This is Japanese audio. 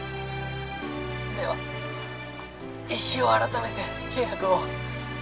では日を改めて契約を。